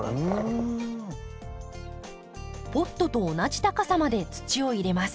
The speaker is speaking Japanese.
ポットと同じ高さまで土を入れます。